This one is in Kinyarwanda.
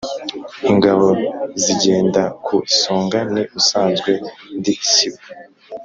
ingabo nzigenda ku isonga, ni usanzwe ndi isibo